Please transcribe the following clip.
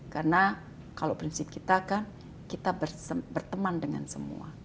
karena kalau prinsip kita kan kita berteman dengan semua